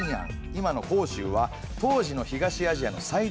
今の杭州は当時の東アジアの最大の貿易港。